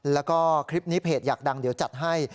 แล้วก็คลิปนี้เพจอยากดังเดี๋ยวจัดให้